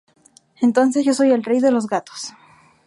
Entonces yo soy el rey de los gatos!".